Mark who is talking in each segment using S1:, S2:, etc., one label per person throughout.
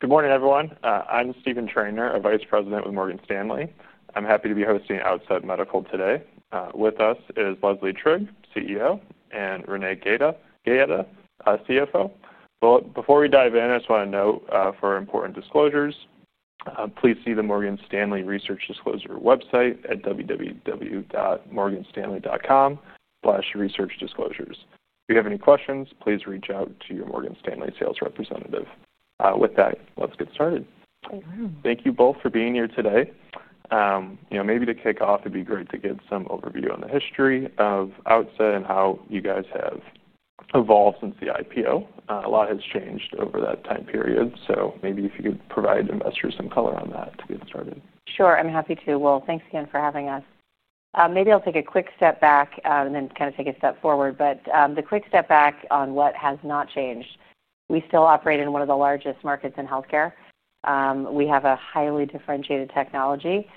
S1: Good morning, everyone. I'm Stephen Traynor, a Vice President with Morgan Stanley. I'm happy to be hosting Outset Medical today. With us is Leslie Trigg, CEO, and Renee Gaeta, CFO. Before we dive in, I just want to note for important disclosures, please see the Morgan Stanley Research Disclosure website at www.morganstanley.com/researchdisclosures. If you have any questions, please reach out to your Morgan Stanley sales representative. With that, let's get started.
S2: Thank you.
S1: Thank you both for being here today. Maybe to kick off, it'd be great to give some overview on the history of Outset Medical and how you guys have evolved since the IPO. A lot has changed over that time period. If you could provide investors some color on that to get started.
S2: Sure, I'm happy to. Thanks again for having us. Maybe I'll take a quick step back and then kind of take a step forward. The quick step back on what has not changed. We still operate in one of the largest markets in healthcare. We have a highly differentiated technology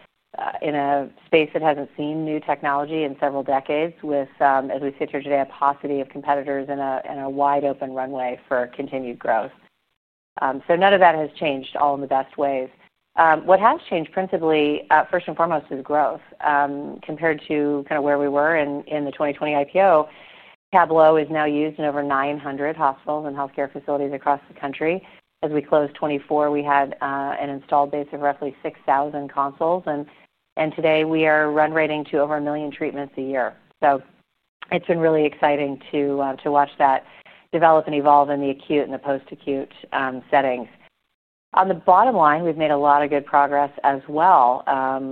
S2: in a space that hasn't seen new technology in several decades, with, as we sit here today, a paucity of competitors and a wide open runway for continued growth. None of that has changed, all in the best ways. What has changed principally, first and foremost, is growth. Compared to kind of where we were in the 2020 IPO, Tablo is now used in over 900 hospitals and healthcare facilities across the country. As we closed 2024, we had an installed base of roughly 6,000 consoles. Today, we are run rating to over a million treatments a year. It's been really exciting to watch that develop and evolve in the acute and the post-acute settings. On the bottom line, we've made a lot of good progress as well.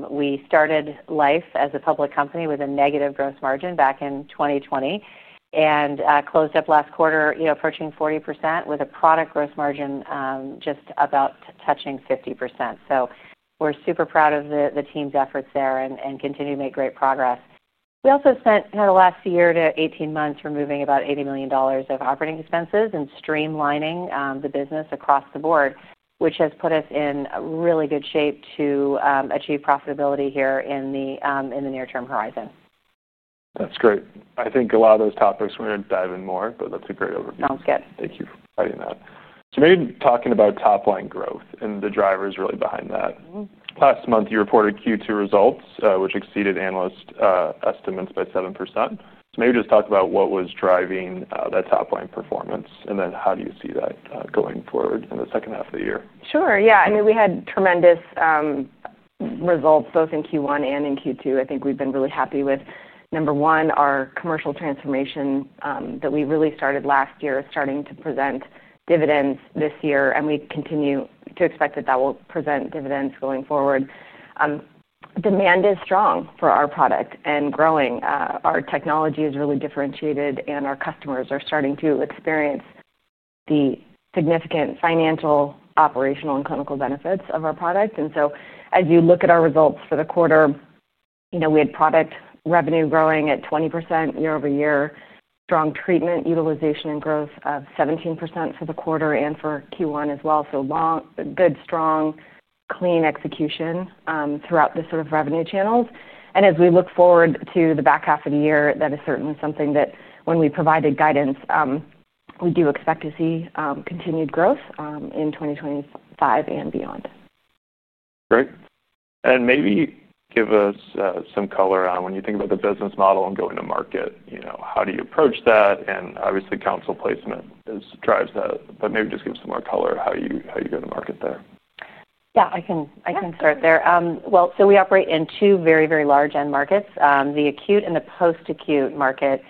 S2: We started life as a public company with a negative gross margin back in 2020 and closed up last quarter approaching 40% with a product gross margin just about touching 50%. We're super proud of the team's efforts there and continue to make great progress. We also spent the last year to 18 months removing about $80 million of operating expenses and streamlining the business across the board, which has put us in really good shape to achieve profitability here in the near-term horizon.
S1: That's great. I think a lot of those topics we're going to dive in more, but that's a great overview.
S2: Sounds good.
S1: Thank you for providing that. Maybe talking about top-line growth and the drivers really behind that. Last month, you reported Q2 results, which exceeded analyst estimates by 7%. Maybe just talk about what was driving that top-line performance and then how do you see that going forward in the second half of the year?
S3: Sure. Yeah, I mean, we had tremendous results both in Q1 and in Q2. I think we've been really happy with, number one, our commercial transformation that we really started last year is starting to present dividends this year. We continue to expect that that will present dividends going forward. Demand is strong for our product and growing. Our technology is really differentiated and our customers are starting to experience the significant financial, operational, and clinical benefits of our product. As you look at our results for the quarter, you know, we had product revenue growing at 20% year over year, strong treatment utilization and growth of 17% for the quarter and for Q1 as well. Long, good, strong, clean execution throughout the sort of revenue channels. As we look forward to the back half of the year, that is certainly something that when we provided guidance, we do expect to see continued growth in 2025 and beyond.
S1: Great. Maybe give us some color on when you think about the business model and going to market. How do you approach that? Obviously, counsel placement drives that. Maybe just give us some more color. How do you go to market there?
S2: Yeah, I can start there. We operate in two very, very large end markets, the acute and the post-acute market.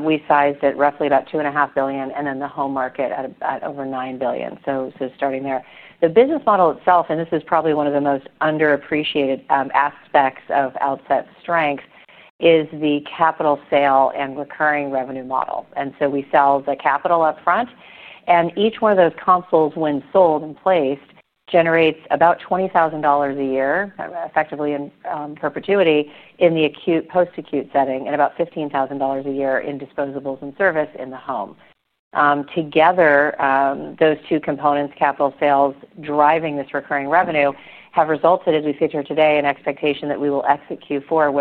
S2: We sized at roughly about $2.5 billion and then the home market at over $9 billion. Starting there, the business model itself, and this is probably one of the most underappreciated aspects of Outset Medical's strength, is the capital sale and recurring revenue model. We sell the capital upfront, and each one of those consoles, when sold and placed, generates about $20,000 a year, effectively in perpetuity in the acute/post-acute setting and about $15,000 a year in disposables and service in the home. Together, those two components, capital sales driving this recurring revenue, have resulted, as we sit here today, in expectation that we will exit Q4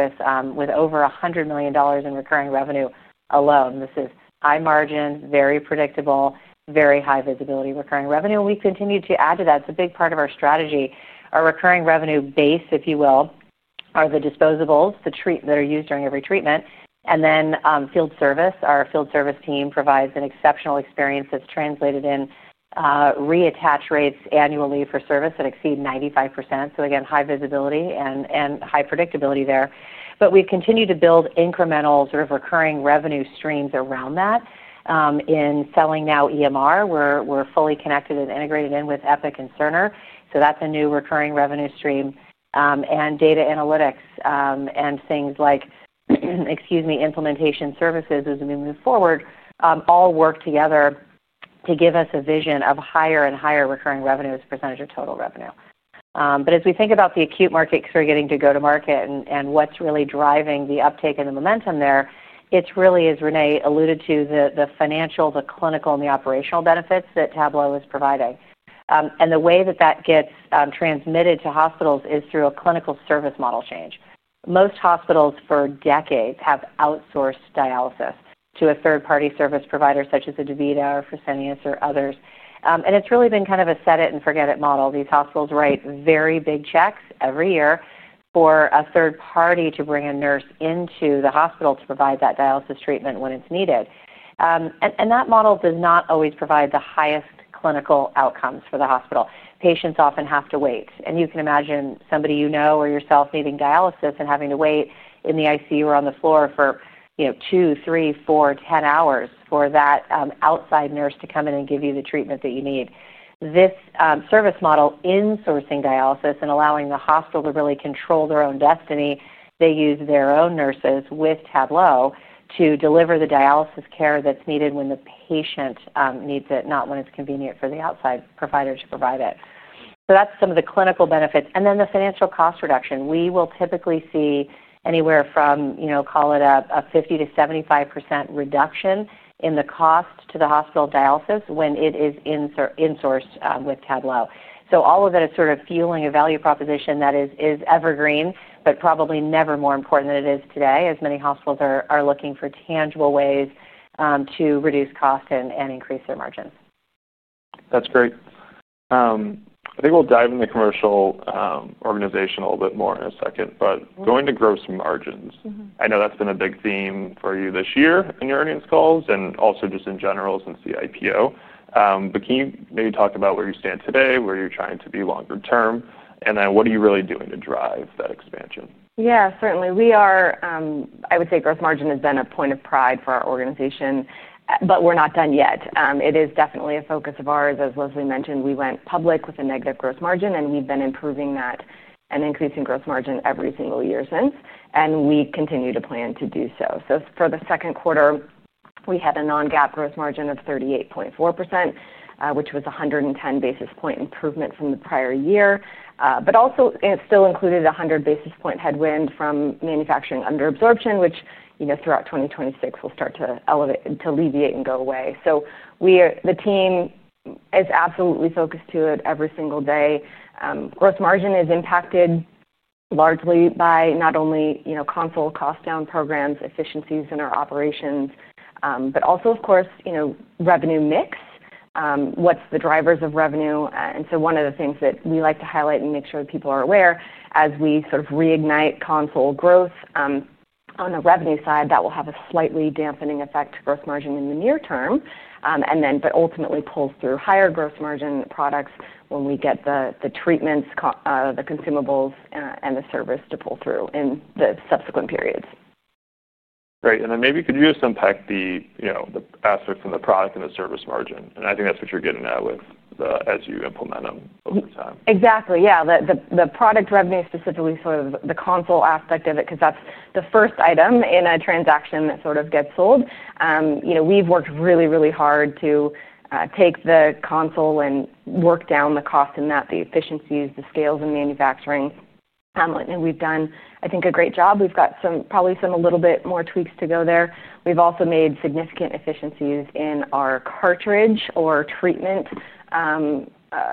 S2: with over $100 million in recurring revenue alone. This is high margin, very predictable, very high visibility recurring revenue, and we continue to add to that. It's a big part of our strategy. Our recurring revenue base, if you will, are the disposables, the kits that are used during every treatment. Our field service team provides an exceptional experience that's translated in reattach rates annually for service that exceed 95%. Again, high visibility and high predictability there. We've continued to build incremental recurring revenue streams around that in selling now EMR integration, where we're fully connected and integrated in with Epic and Cerner. That's a new recurring revenue stream. Data analytics and things like, excuse me, implementation services as we move forward all work together to give us a vision of higher and higher recurring revenue as a percentage of total revenue. As we think about the acute market, because we're getting to go to market and what's really driving the uptake and the momentum there, it really is, as Renee alluded to, the financial, the clinical, and the operational benefits that Tablo is providing. The way that that gets transmitted to hospitals is through a clinical service model change. Most hospitals for decades have outsourced dialysis to a third-party service provider such as DaVita or Fresenius or others. It's really been kind of a set-it-and-forget-it model. These hospitals write very big checks every year for a third party to bring a nurse into the hospital to provide that dialysis treatment when it's needed. That model does not always provide the highest clinical outcomes for the hospital. Patients often have to wait. You can imagine somebody you know or yourself needing dialysis and having to wait in the ICU or on the floor for 2, 3, 4, 10 hours for that outside nurse to come in and give you the treatment that you need. This service model, insourcing dialysis and allowing the hospital to really control their own destiny, lets them use their own nurses with Tablo to deliver the dialysis care that's needed when the patient needs it, not when it's convenient for the outside provider to provide it. That's some of the clinical benefits. The financial cost reduction is significant. We will typically see anywhere from, you know, call it a 50% to 75% reduction in the cost to the hospital for dialysis when it is insourced with Tablo. All of that is fueling a value proposition that is evergreen, but probably never more important than it is today as many hospitals are looking for tangible ways to reduce cost and increase their margins.
S1: That's great. I think we'll dive into commercial organization a little bit more in a second. Going to gross margins, I know that's been a big theme for you this year in your earnings calls and also just in general since the IPO. Can you maybe talk about where you stand today, where you're trying to be longer term, and what are you really doing to drive that expansion?
S3: Yeah, certainly. We are, I would say gross margin has been a point of pride for our organization, but we're not done yet. It is definitely a focus of ours. As Leslie mentioned, we went public with a negative gross margin, and we've been improving that and increasing gross margin every single year since. We continue to plan to do so. For the second quarter, we had a non-GAAP gross margin of 38.4%, which was a 110 basis point improvement from the prior year. It still included a 100 basis point headwind from manufacturing underabsorption, which throughout 2026 will start to alleviate and go away. The team is absolutely focused to it every single day. Gross margin is impacted largely by not only console cost-down programs, efficiencies in our operations, but also, of course, revenue mix, what's the drivers of revenue. One of the things that we like to highlight and make sure that people are aware, as we sort of reignite console growth on the revenue side, that will have a slightly dampening effect to gross margin in the near term, but ultimately pulls through higher gross margin products when we get the treatments, the consumables, and the service to pull through in the subsequent periods.
S1: Right. Could you just unpack the aspects of the product and the service margin? I think that's what you're getting at with as you implement them over time.
S3: Exactly. Yeah. The product revenue specifically, sort of the console aspect of it, because that's the first item in a transaction that sort of gets sold. We've worked really, really hard to take the console and work down the cost in that, the efficiencies, the scales, and manufacturing. We've done, I think, a great job. We've got probably some a little bit more tweaks to go there. We've also made significant efficiencies in our cartridge or treatment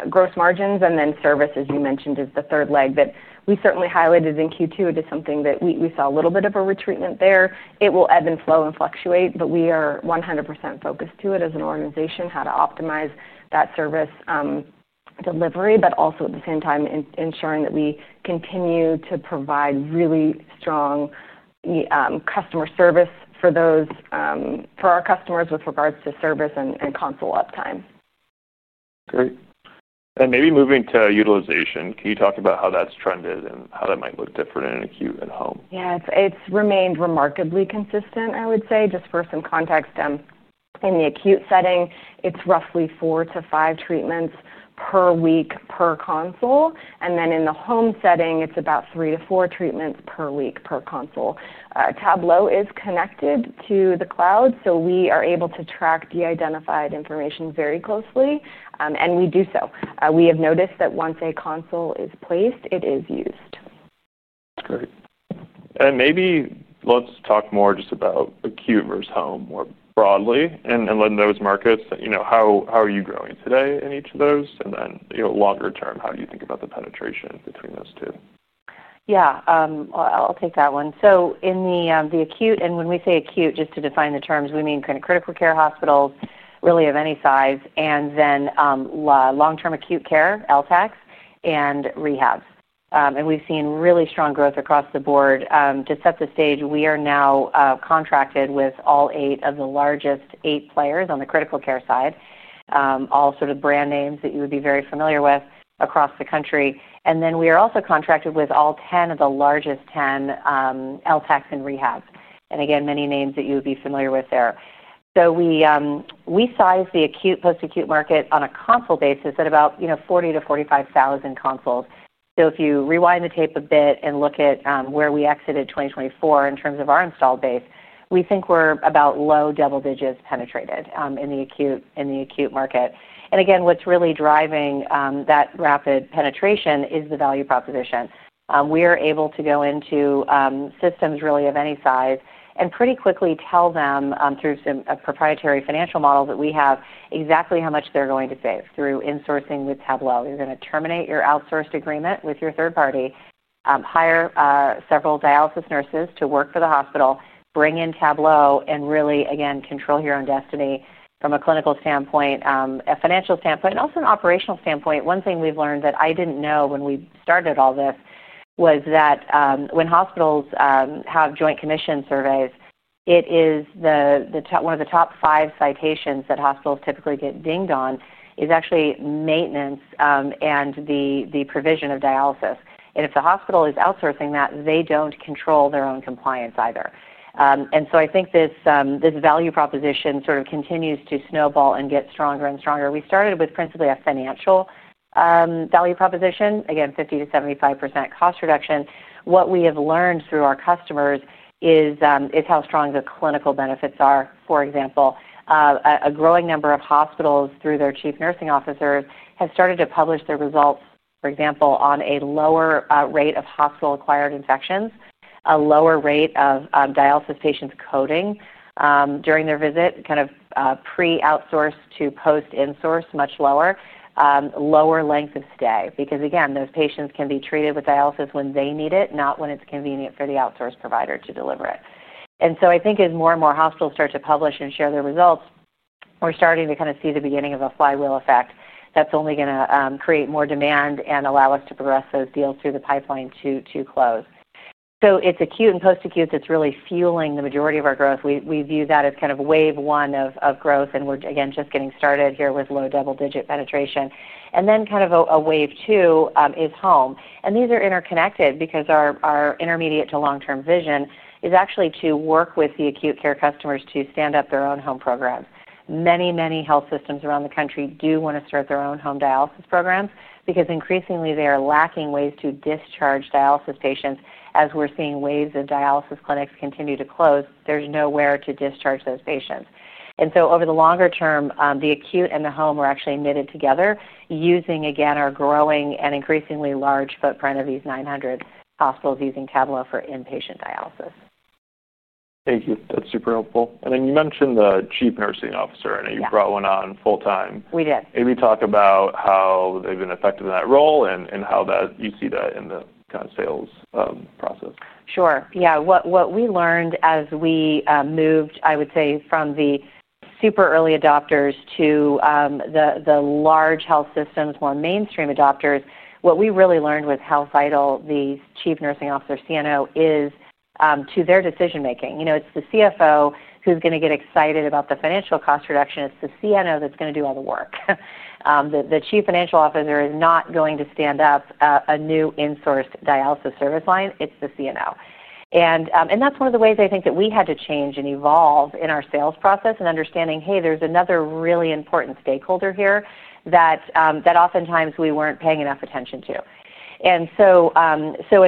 S3: gross margins. Then service, as you mentioned, is the third leg that we certainly highlighted in Q2. It is something that we saw a little bit of a retreatment there. It will ebb and flow and fluctuate, but we are 100% focused to it as an organization, how to optimize that service delivery, but also at the same time ensuring that we continue to provide really strong customer service for our customers with regards to service and console uptime.
S1: Great. Maybe moving to utilization, can you talk about how that's trended and how that might look different in acute and home?
S3: Yeah, it's remained remarkably consistent, I would say. Just for some context, in the acute setting, it's roughly four to five treatments per week per console. In the home setting, it's about three to four treatments per week per console. Tablo is connected to the cloud, so we are able to track de-identified information very closely, and we do so. We have noticed that once a console is placed, it is used.
S1: That's great. Maybe let's talk more just about acute versus home more broadly and those markets. You know, how are you growing today in each of those? Longer term, how do you think about the penetration between those two?
S2: Yeah, I'll take that one. In the acute, and when we say acute, just to define the terms, we mean critical care hospitals really of any size, and then long-term acute care, LTACs, and rehabs. We've seen really strong growth across the board. To set the stage, we are now contracted with all eight of the largest eight players on the critical care side, all sort of brand names that you would be very familiar with across the country. We are also contracted with all 10 of the largest 10 LTACs and rehabs. Again, many names that you would be familiar with there. We size the acute/post-acute market on a console basis at about $40,000 to $45,000 consoles. If you rewind the tape a bit and look at where we exited 2024 in terms of our installed base, we think we're about low double digits penetrated in the acute market. What's really driving that rapid penetration is the value proposition. We are able to go into systems really of any size and pretty quickly tell them through a proprietary financial model that we have exactly how much they're going to save through insourcing with Tablo. You're going to terminate your outsourced agreement with your third party, hire several dialysis nurses to work for the hospital, bring in Tablo, and really, again, control your own destiny from a clinical standpoint, a financial standpoint, and also an operational standpoint. One thing we've learned that I didn't know when we started all this was that when hospitals have Joint Commission surveys, it is one of the top five citations that hospitals typically get dinged on is actually maintenance and the provision of dialysis. If the hospital is outsourcing that, they don't control their own compliance either. I think this value proposition sort of continues to snowball and get stronger and stronger. We started with principally a financial value proposition, again, 50% to 75% cost reduction. What we have learned through our customers is how strong the clinical benefits are. For example, a growing number of hospitals through their Chief Nursing Officers have started to publish their results, for example, on a lower rate of hospital-acquired infections, a lower rate of dialysis patients coding during their visit, kind of pre-outsource to post-insource, much lower, lower length of stay. Those patients can be treated with dialysis when they need it, not when it's convenient for the outsource provider to deliver it. I think as more and more hospitals start to publish and share their results, we're starting to kind of see the beginning of a flywheel effect that's only going to create more demand and allow us to progress those deals through the pipeline to close. It is acute and post-acute that's really fueling the majority of our growth. We view that as kind of wave one of growth. We're again just getting started here with low double-digit penetration. Kind of a wave two is home. These are interconnected because our intermediate to long-term vision is actually to work with the acute care customers to stand up their own home programs. Many, many health systems around the country do want to start their own home dialysis programs because increasingly they are lacking ways to discharge dialysis patients. As we're seeing waves of dialysis clinics continue to close, there's nowhere to discharge those patients. Over the longer term, the acute and the home are actually knitted together using, again, our growing and increasingly large footprint of these 900 hospitals using Tablo for inpatient dialysis.
S1: Thank you. That's super helpful. You mentioned the Chief Nursing Officer. I know you brought one on full-time.
S2: We did.
S1: Maybe talk about how they've been effective in that role and how you see that in the kind of sales process.
S2: Sure. Yeah. What we learned as we moved, I would say, from the super early adopters to the large health systems, more mainstream adopters, what we really learned with Health Vital, the Chief Nursing Officer, CNO, is to their decision-making. You know, it's the CFO who's going to get excited about the financial cost reduction. It's the CNO that's going to do all the work. The Chief Financial Officer is not going to stand up a new insourced dialysis service line. It's the CNO. That is one of the ways I think that we had to change and evolve in our sales process and understanding, hey, there's another really important stakeholder here that oftentimes we weren't paying enough attention to. As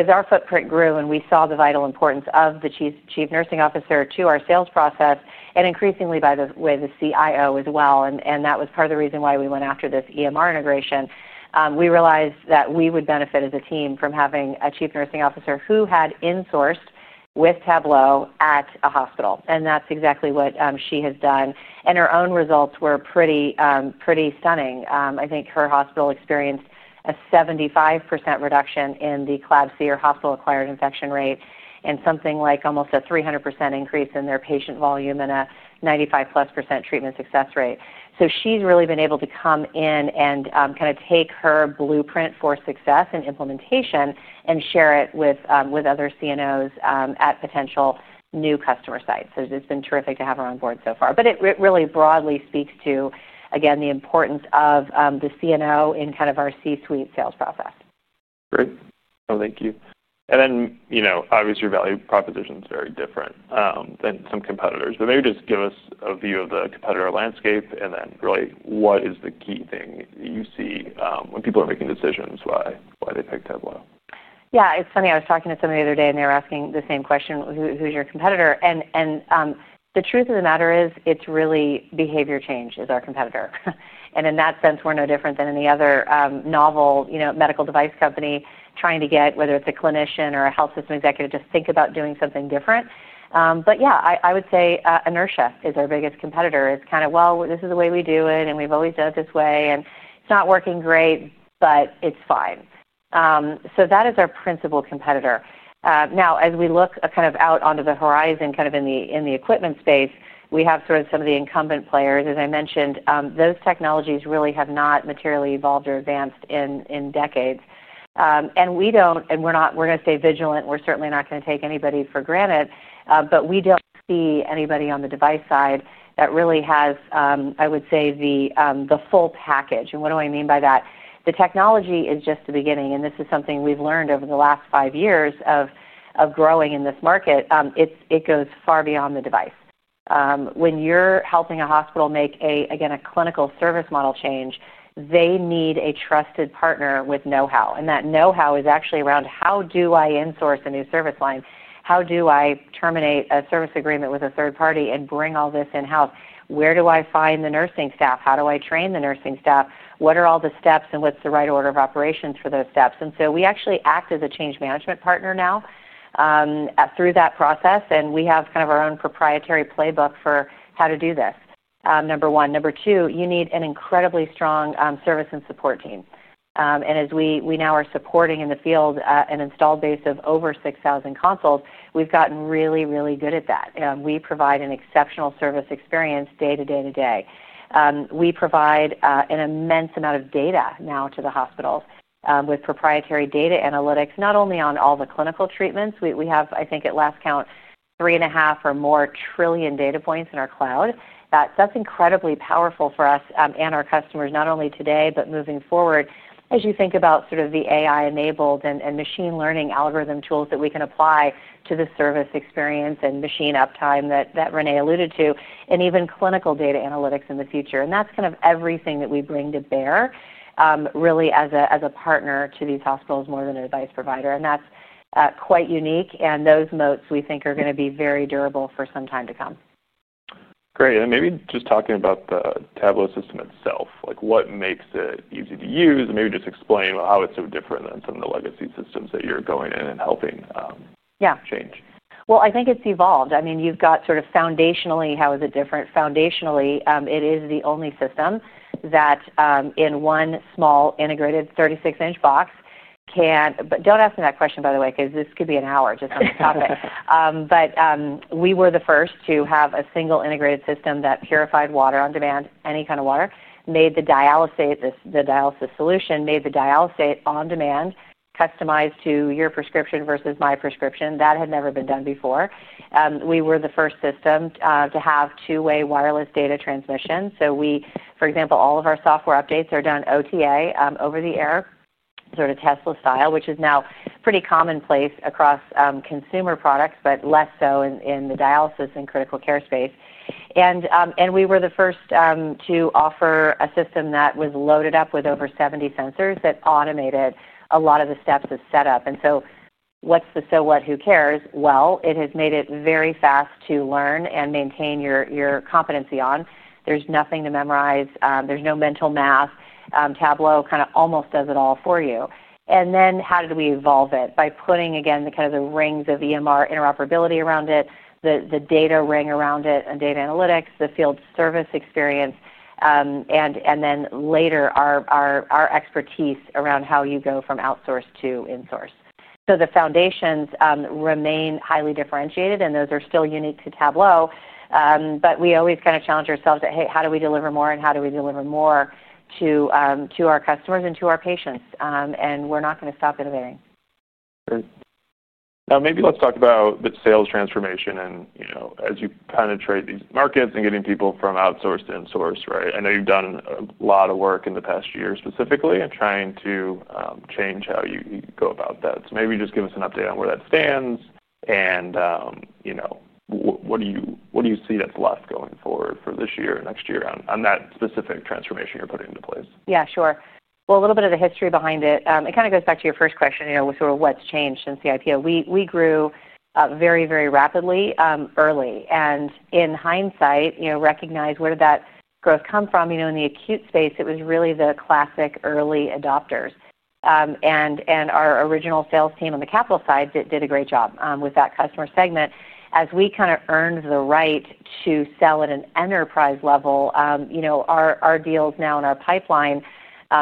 S2: our footprint grew and we saw the vital importance of the Chief Nursing Officer to our sales process, and increasingly by the way the CIO as well, that was part of the reason why we went after this EMR integration, we realized that we would benefit as a team from having a Chief Nursing Officer who had insourced with Tablo at a hospital. That's exactly what she has done. Her own results were pretty stunning. I think her hospital experienced a 75% reduction in the CLABSI or hospital-acquired infection rate and something like almost a 300% increase in their patient volume and a 95+% treatment success rate. She's really been able to come in and kind of take her blueprint for success and implementation and share it with other CNOs at potential new customer sites. It's been terrific to have her on board so far. It really broadly speaks to, again, the importance of the CNO in kind of our C-suite sales process.
S1: Great. Thank you. Obviously, your value proposition is very different than some competitors. Maybe just give us a view of the competitor landscape and then really what is the key thing you see when people are making decisions why they pick Tablo.
S2: Yeah, it's funny. I was talking to somebody the other day and they were asking the same question, who's your competitor? The truth of the matter is it's really behavior change is our competitor. In that sense, we're no different than any other novel medical device company trying to get whether it's a clinician or a health system executive to think about doing something different. I would say inertia is our biggest competitor. It's kind of, well, this is the way we do it and we've always done it this way and it's not working great, but it's fine. That is our principal competitor. Now, as we look kind of out onto the horizon, kind of in the equipment space, we have sort of some of the incumbent players. As I mentioned, those technologies really have not materially evolved or advanced in decades. We don't, and we're not, we're going to stay vigilant. We're certainly not going to take anybody for granted. We don't see anybody on the device side that really has, I would say, the full package. What do I mean by that? The technology is just the beginning. This is something we've learned over the last five years of growing in this market. It goes far beyond the device. When you're helping a hospital make a, again, a clinical service model change, they need a trusted partner with know-how. That know-how is actually around how do I insource a new service line? How do I terminate a service agreement with a third party and bring all this in-house? Where do I find the nursing staff? How do I train the nursing staff? What are all the steps and what's the right order of operations for those steps? We actually act as a change management partner now through that process. We have kind of our own proprietary playbook for how to do this, number one. Number two, you need an incredibly strong service and support team. As we now are supporting in the field an installed base of over 6,000 consults, we've gotten really, really good at that. We provide an exceptional service experience day to day to day. We provide an immense amount of data now to the hospitals with proprietary data analytics, not only on all the clinical treatments. We have, I think, at last count, three and a half or more trillion data points in our cloud. That's incredibly powerful for us and our customers, not only today, but moving forward. As you think about sort of the AI-enabled and machine learning algorithm tools that we can apply to the service experience and machine uptime that Renee alluded to, and even clinical data analytics in the future, that's kind of everything that we bring to bear really as a partner to these hospitals more than a device provider. That's quite unique. Those motes we think are going to be very durable for some time to come.
S1: Great. Maybe just talking about the Tablo Hemodialysis System itself, like what makes it easy to use, and maybe just explain how it's so different than the legacy systems that you're going in and helping change.
S2: Yeah. I think it's evolved. I mean, you've got sort of foundationally, how is it different? Foundationally, it is the only system that in one small integrated 36-inch box can, but don't ask me that question, by the way, because this could be an hour just on this topic. We were the first to have a single integrated system that purified water on demand, any kind of water, made the dialysis solution, made the dialysate on demand, customized to your prescription versus my prescription. That had never been done before. We were the first system to have two-way wireless data transmission. For example, all of our software updates are done OTA, over-the-air, sort of Tesla style, which is now pretty commonplace across consumer products, but less so in the dialysis and critical care space. We were the first to offer a system that was loaded up with over 70 sensors that automated a lot of the steps of setup. What's the so what? Who cares? It has made it very fast to learn and maintain your competency on. There's nothing to memorize. There's no mental math. Tablo kind of almost does it all for you. How did we evolve it? By putting, again, the kind of the rings of EMR interoperability around it, the data ring around it, and data analytics, the field service experience, and then later our expertise around how you go from outsource to insource. The foundations remain highly differentiated, and those are still unique to Tablo. We always kind of challenge ourselves that, hey, how do we deliver more and how do we deliver more to our customers and to our patients? We're not going to stop innovating.
S1: Great. Now, maybe let's talk about the sales transformation and as you penetrate these markets and getting people from outsourced to insourced, right? I know you've done a lot of work in the past year specifically in trying to change how you go about that. Maybe just give us an update on where that stands and you know what do you see that's left going forward for this year or next year on that specific transformation you're putting into place?
S2: Yeah, sure. A little bit of the history behind it. It kind of goes back to your first question, you know, with sort of what's changed since the IPO. We grew very, very rapidly early. In hindsight, you know, recognize where did that growth come from? In the acute market, it was really the classic early adopters. Our original sales team on the capital side did a great job with that customer segment. As we kind of earned the right to sell at an enterprise level, our deals now in our pipeline,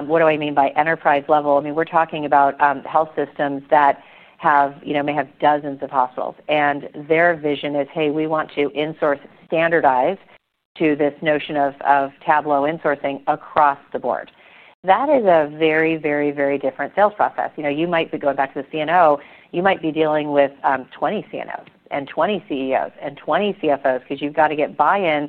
S2: what do I mean by enterprise level? I mean, we're talking about health systems that may have dozens of hospitals. Their vision is, hey, we want to insource, standardize to this notion of Tablo insourcing across the board. That is a very, very, very different sales process. You might be going back to the CNO, you might be dealing with 20 CNOs and 20 CEOs and 20 CFOs because you've got to get buy-in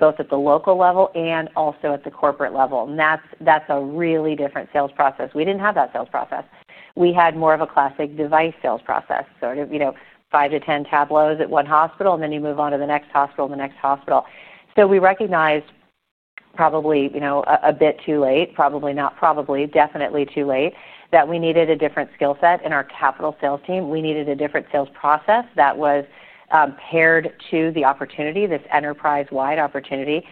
S2: both at the local level and also at the corporate level. That's a really different sales process. We didn't have that sales process. We had more of a classic device sales process, sort of, you know, five to ten Tablos at one hospital, and then you move on to the next hospital and the next hospital. We recognized probably, you know, a bit too late, definitely too late, that we needed a different skill set in our capital sales team. We needed a different sales process that was paired to the opportunity, this enterprise-wide opportunity.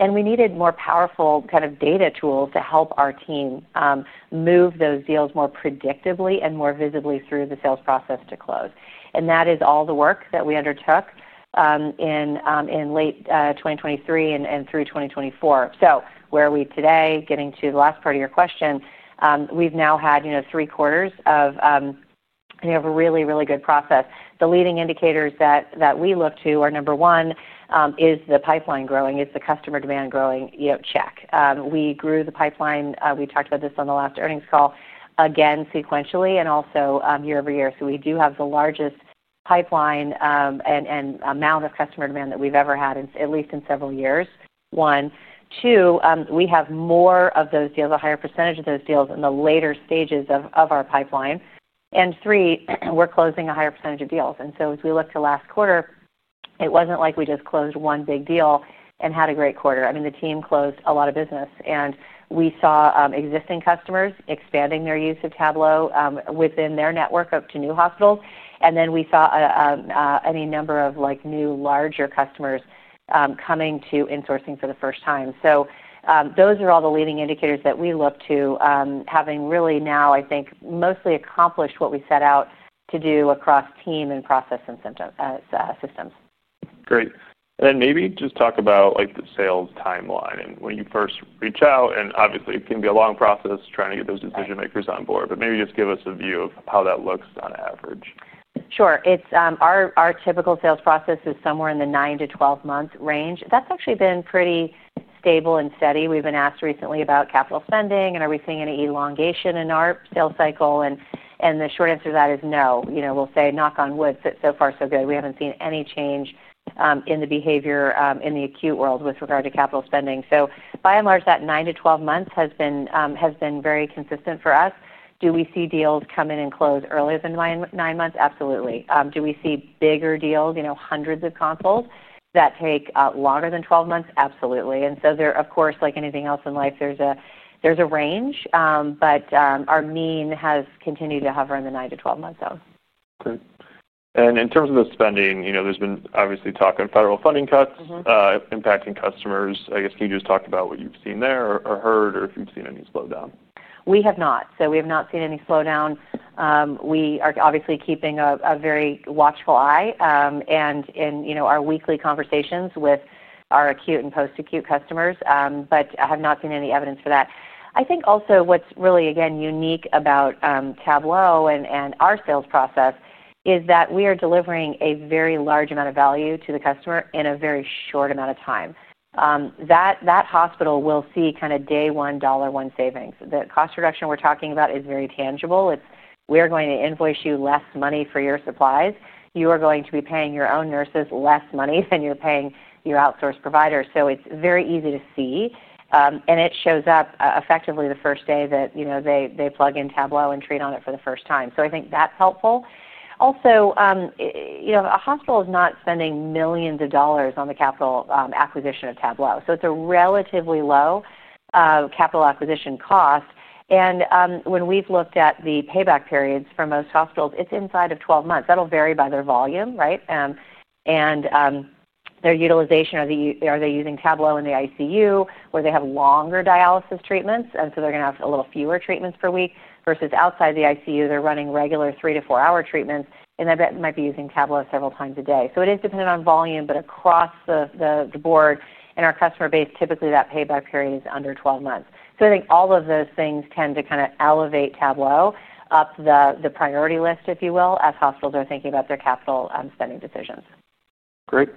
S2: We needed more powerful kind of data tools to help our team move those deals more predictably and more visibly through the sales process to close. That is all the work that we undertook in late 2023 and through 2024. Where are we today? Getting to the last part of your question, we've now had three quarters of a really, really good process. The leading indicators that we look to are, number one, is the pipeline growing? Is the customer demand growing? Check. We grew the pipeline. We talked about this on the last earnings call, again, sequentially and also year over year. We do have the largest pipeline and amount of customer demand that we've ever had, at least in several years, one. Two, we have more of those deals, a higher % of those deals in the later stages of our pipeline. Three, we're closing a higher % of deals. As we look to last quarter, it wasn't like we just closed one big deal and had a great quarter. The team closed a lot of business, and we saw existing customers expanding their use of Tablo within their network up to new hospitals. We also saw any number of new larger customers coming to insourcing for the first time. Those are all the leading indicators that we look to, having really now, I think, mostly accomplished what we set out to do across team and process and systems.
S1: Great. Maybe just talk about the sales timeline and when you first reach out. Obviously, it can be a long process trying to get those decision-makers on board. Maybe just give us a view of how that looks on average.
S2: Sure. Our typical sales process is somewhere in the 9 to 12 month range. That's actually been pretty stable and steady. We've been asked recently about capital spending and are we seeing any elongation in our sales cycle? The short answer to that is no. We'll say, knock on wood, so far so good. We haven't seen any change in the behavior in the acute world with regard to capital spending. By and large, that 9 to 12 months has been very consistent for us. Do we see deals come in and close earlier than 9 months? Absolutely. Do we see bigger deals, you know, hundreds of consoles that take longer than 12 months? Absolutely. Of course, like anything else in life, there's a range. Our mean has continued to hover in the 9 to 12 month zone.
S1: Great. In terms of the spending, you know, there's been obviously talk of federal funding cuts impacting customers. I guess, can you just talk about what you've seen there or heard, or if you've seen any slowdown?
S2: We have not. We have not seen any slowdown. We are obviously keeping a very watchful eye in our weekly conversations with our acute and post-acute customers. I have not seen any evidence for that. I think also what's really, again, unique about Tablo and our sales process is that we are delivering a very large amount of value to the customer in a very short amount of time. That hospital will see kind of day one, dollar one savings. The cost reduction we're talking about is very tangible. We are going to invoice you less money for your supplies. You are going to be paying your own nurses less money than you're paying your outsourced providers. It's very easy to see. It shows up effectively the first day that they plug in Tablo and treat on it for the first time. I think that's helpful. Also, a hospital is not spending millions of dollars on the capital acquisition of Tablo. It's a relatively low capital acquisition cost. When we've looked at the payback periods for most hospitals, it's inside of 12 months. That'll vary by their volume, right? Their utilization, are they using Tablo in the ICU or do they have longer dialysis treatments? They're going to have a little fewer treatments per week versus outside the ICU, they're running regular three to four-hour treatments. They might be using Tablo several times a day. It is dependent on volume, but across the board in our customer base, typically that payback period is under 12 months. I think all of those things tend to kind of elevate Tablo up the priority list, if you will, as hospitals are thinking about their capital spending decisions.
S1: Great.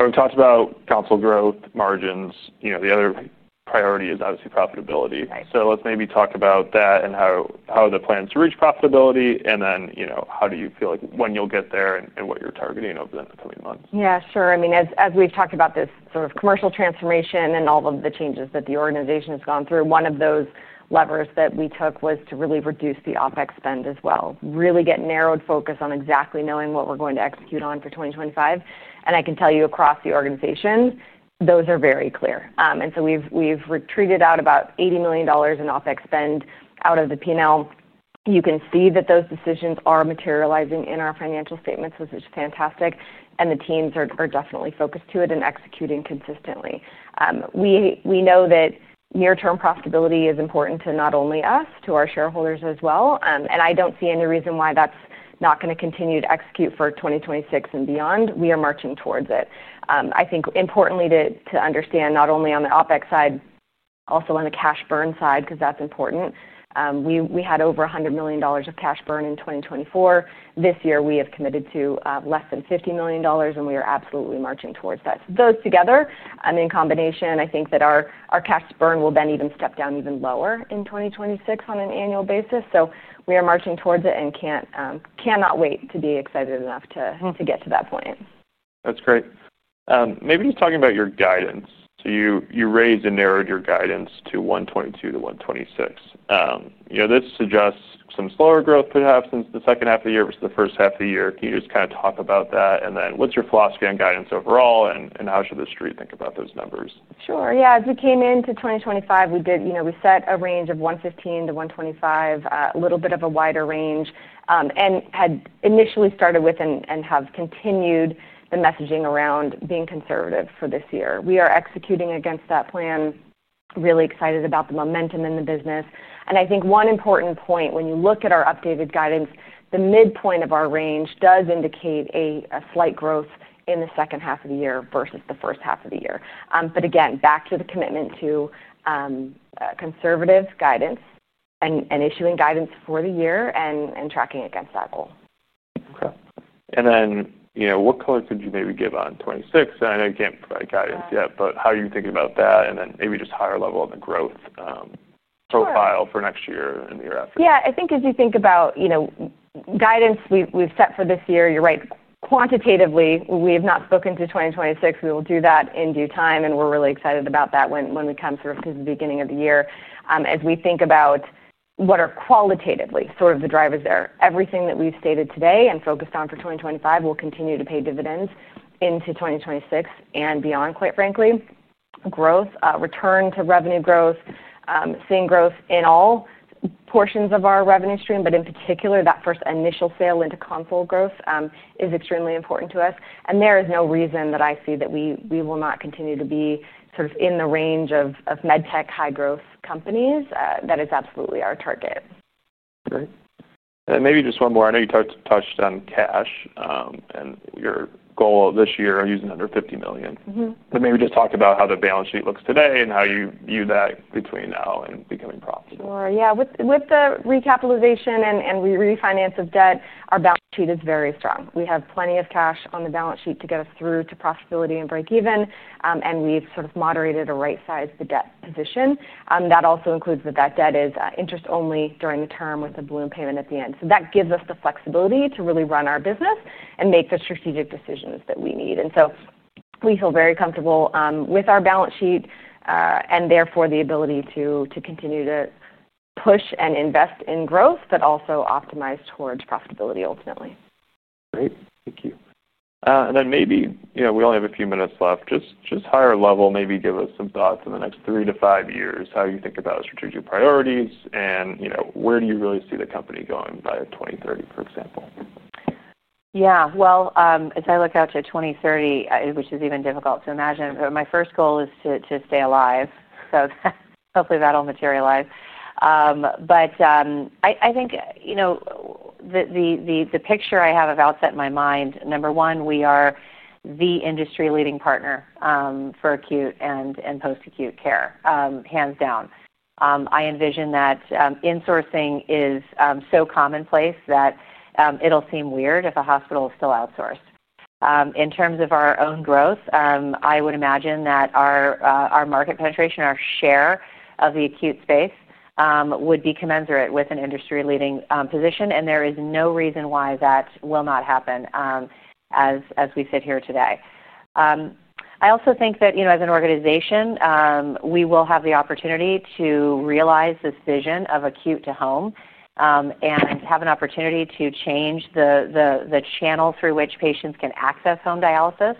S1: We talked about council growth, margins. The other priority is obviously profitability. Let's maybe talk about that and how the plans to reach profitability, and then how do you feel like when you'll get there and what you're targeting over the coming months?
S3: Yeah, sure. I mean, as we've talked about this sort of commercial transformation and all of the changes that the organization has gone through, one of those levers that we took was to really reduce the OpEx spend as well. Really get narrowed focus on exactly knowing what we're going to execute on for 2025. I can tell you across the organization, those are very clear. We've treated out about $80 million in OpEx spend out of the P&L. You can see that those decisions are materializing in our financial statements, which is fantastic. The teams are definitely focused to it and executing consistently. We know that near-term profitability is important to not only us, to our shareholders as well. I don't see any reason why that's not going to continue to execute for 2026 and beyond. We are marching towards it. I think importantly to understand not only on the OpEx side, also on the cash burn side, because that's important. We had over $100 million of cash burn in 2024. This year, we have committed to less than $50 million, and we are absolutely marching towards that. Those together in combination, I think that our cash burn will then even step down even lower in 2026 on an annual basis. We are marching towards it and cannot wait to be excited enough to get to that point.
S1: That's great. Maybe just talking about your guidance. You raised and narrowed your guidance to $1.2 million to $1.6 million. This suggests some slower growth perhaps since the second half of the year versus the first half of the year. Can you just kind of talk about that? What's your philosophy on guidance overall and how should the street think about those numbers?
S3: Sure. As we came into 2025, we set a range of $115 million to $125 million, a little bit of a wider range, and had initially started with and have continued the messaging around being conservative for this year. We are executing against that plan, really excited about the momentum in the business. I think one important point when you look at our updated guidance, the midpoint of our range does indicate a slight growth in the second half of the year versus the first half of the year. Again, back to the commitment to conservative guidance and issuing guidance for the year and tracking against that goal.
S1: Okay. What color could you maybe give on 2026? I know you can't provide guidance yet, but how are you thinking about that? Maybe just higher level on the growth profile for next year and the year after?
S3: Yeah, I think as you think about, you know, guidance we've set for this year, you're right. Quantitatively, we have not spoken to 2026. We will do that in due time. We're really excited about that when we come sort of to the beginning of the year. As we think about what are qualitatively sort of the drivers there, everything that we've stated today and focused on for 2025 will continue to pay dividends into 2026 and beyond, quite frankly. Growth, return to revenue growth, seeing growth in all portions of our revenue stream, but in particular, that first initial sale into console growth is extremely important to us. There is no reason that I see that we will not continue to be sort of in the range of medtech high-growth companies. That is absolutely our target.
S1: Great. Maybe just one more. I know you touched on cash and your goal this year of using under $50 million. Maybe just talk about how the balance sheet looks today and how you view that between now and becoming profitable.
S3: Sure. With the recapitalization and refinance of debt, our balance sheet is very strong. We have plenty of cash on the balance sheet to get us through to profitability and break even. We've sort of moderated or right-sized the debt position. That also includes that debt is interest only during the term with the balloon payment at the end. That gives us the flexibility to really run our business and make the strategic decisions that we need. We feel very comfortable with our balance sheet and therefore the ability to continue to push and invest in growth, but also optimize towards profitability ultimately.
S1: Great. Thank you. Maybe, you know, we only have a few minutes left. Just higher level, maybe give us some thoughts in the next three to five years, how you think about strategic priorities and, you know, where do you really see the company going by 2030, for example?
S2: As I look out to 2030, which is even difficult to imagine, my first goal is to stay alive. Hopefully that'll materialize. I think, you know, the picture I have of Outset Medical in my mind, number one, we are the industry-leading partner for acute and post-acute care, hands down. I envision that insourcing is so commonplace that it'll seem weird if a hospital is still outsourced. In terms of our own growth, I would imagine that our market penetration, our share of the acute space would be commensurate with an industry-leading position. There is no reason why that will not happen as we sit here today. I also think that, you know, as an organization, we will have the opportunity to realize this vision of acute to home and have an opportunity to change the channel through which patients can access home dialysis.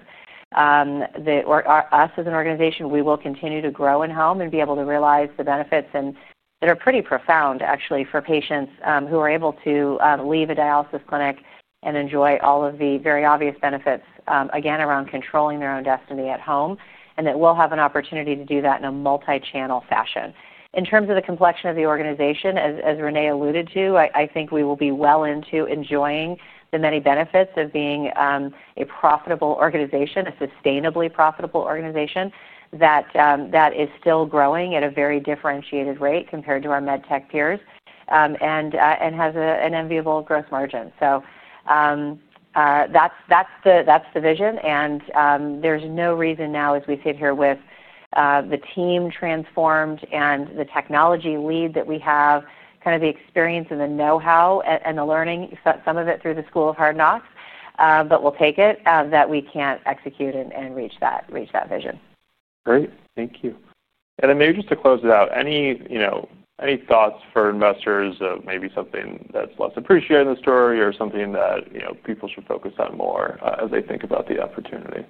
S2: Us as an organization, we will continue to grow in home and be able to realize the benefits that are pretty profound, actually, for patients who are able to leave a dialysis clinic and enjoy all of the very obvious benefits, again, around controlling their own destiny at home. We'll have an opportunity to do that in a multi-channel fashion. In terms of the complexion of the organization, as Renee alluded to, I think we will be well into enjoying the many benefits of being a profitable organization, a sustainably profitable organization that is still growing at a very differentiated rate compared to our medtech peers and has an enviable gross margin. That's the vision. There is no reason now as we sit here with the team transformed and the technology lead that we have, kind of the experience and the know-how and the learning, some of it through the School of Hard Knocks, but we'll take it, that we can't execute and reach that vision.
S1: Great. Thank you. Maybe just to close it out, any thoughts for investors, maybe something that's less appreciated in the story or something that people should focus on more as they think about the opportunity?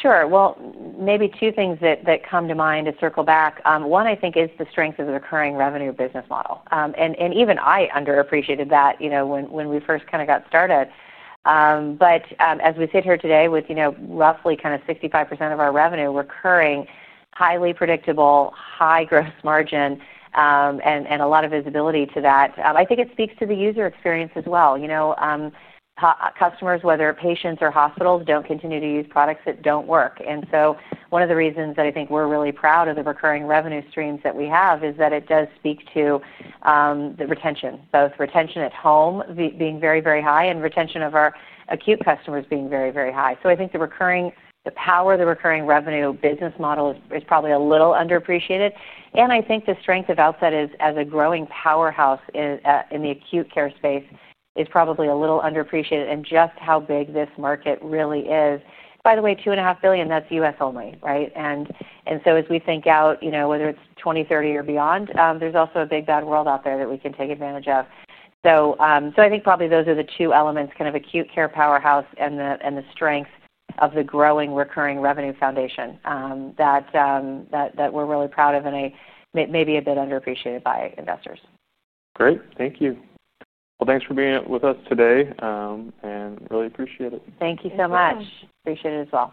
S2: Sure. Maybe two things that come to mind to circle back. One, I think, is the strength of the recurring revenue business model. Even I underappreciated that when we first kind of got started. As we sit here today with roughly 65% of our revenue recurring, highly predictable, high gross margin, and a lot of visibility to that, I think it speaks to the user experience as well. Customers, whether patients or hospitals, don't continue to use products that don't work. One of the reasons that I think we're really proud of the recurring revenue streams that we have is that it does speak to the retention, both retention at home being very, very high and retention of our acute customers being very, very high. I think the power of the recurring revenue business model is probably a little underappreciated. I think the strength of Outset Medical as a growing powerhouse in the acute care space is probably a little underappreciated and just how big this market really is. By the way, $2.5 billion, that's U.S. only, right? As we think out, whether it's 2030 or beyond, there's also a big bad world out there that we can take advantage of. I think probably those are the two elements, kind of acute care powerhouse and the strength of the growing recurring revenue foundation that we're really proud of and maybe a bit underappreciated by investors.
S1: Great. Thank you. Thanks for being with us today and really appreciate it.
S3: Thank you so much.
S2: Appreciate it as well.